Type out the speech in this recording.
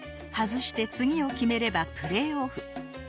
外して次を決めればプレーオフ。